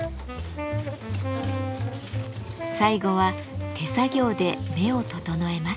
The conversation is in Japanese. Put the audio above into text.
最後は手作業で目を整えます。